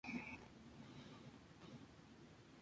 Este bajorrelieve tiene un estilo precolombino.